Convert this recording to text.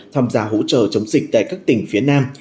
tham gia hỗ trợ chống dịch tại các tỉnh phía nam